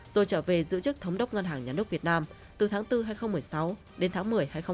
rồi trở về giữ chức thống đốc ngân hàng nhân nước việt nam từ tháng bốn hai nghìn một mươi sáu đến tháng một mươi hai nghìn hai mươi